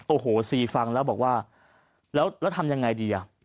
โอ้โหซีฟังแล้วบอกว่าแล้วทำยังไงดีอ่ะ